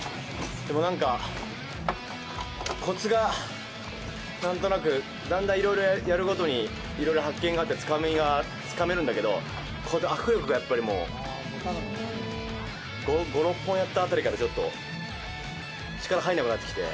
でも、なんか、コツが何となく、だんだんいろいろやるごとにいろいろ発見があってつかめるんだけど、この握力がやっぱりもう、５６本やったあたりからちょっと力が入らなくなってきて。